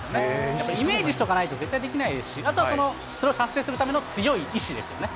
やっぱりイメージしておかないと絶対できないし、あとはそれを達成するための強い意思ですよね。